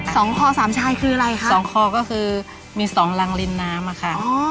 คอสามชายคืออะไรคะสองคอก็คือมีสองรังริมน้ำอะค่ะอ๋อ